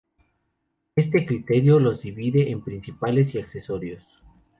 Este criterio los divide en principales y accesorios.